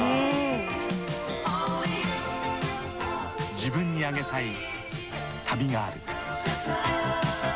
自分にあげたい旅がある。